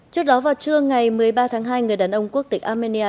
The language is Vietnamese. trước đó vào trưa ngày một mươi ba tháng hai người đàn ông quốc tịch armenia